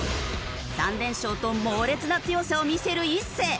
３連勝と猛烈な強さを見せる一世。